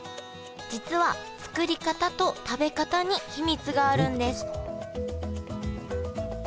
実は作り方と食べ方に秘密があるんです